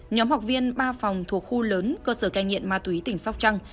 nhóm học viên ba phòng thuộc khu lớn cơ sở cai nghiện ma túy tỉnh sóc trăng